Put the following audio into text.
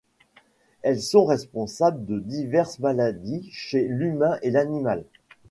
Elles sont responsables de diverses maladies chez l'humain et l'animal.